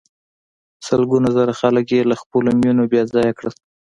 سلګونه زره خلک یې له خپلو مېنو بې ځایه کړل.